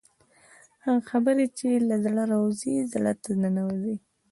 هغه خبرې چې له زړه راوځي زړه ته ننوځي.